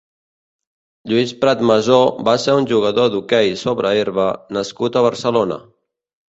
Luis Pratsmasó va ser un jugador d'hoquei sobre herba nascut a Barcelona.